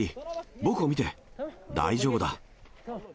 僕を見て、大丈夫だ。